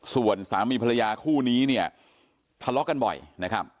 ส่วนสามีภรรยาคู่นี้เนี่ยทะเลาะกันบ่อยนะครับ